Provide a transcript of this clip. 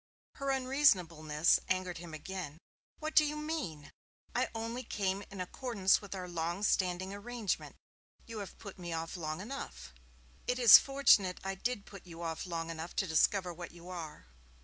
Her unreasonableness angered him again. 'What do you mean? I only came in accordance with our long standing arrangement. You have put me off long enough.' 'It is fortunate I did put you off long enough to discover what you are.'